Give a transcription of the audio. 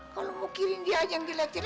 kalau mukirin dia aja yang dilatih